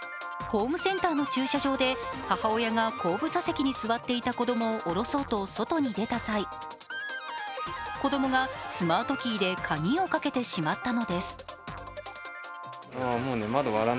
ホームセンターの駐車場で母親が後部座席に座っていた子どもを降ろそうと外に出た際、子供がスマートキーで鍵をかけてしまったのです。